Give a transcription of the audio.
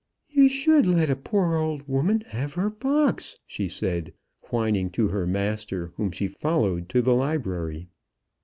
"You should let a poor old woman have her box," she said, whining to her master, whom she followed to the library.